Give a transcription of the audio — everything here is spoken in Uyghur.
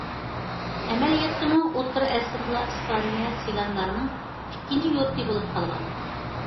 ئەمەلىيەتتىمۇ، ئوتتۇرا ئەسىردىلا ئىسپانىيە سىگانلارنىڭ‹‹ ئىككىنچى يۇرتى›› بولۇپ قالغان.